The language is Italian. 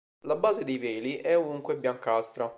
La base dei peli è ovunque biancastra.